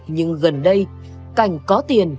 nhưng gần đây cảnh có tiền